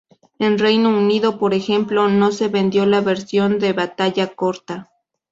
En Reino Unido, por ejemplo, no se vendió la versión de batalla corta.